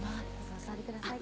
お座りください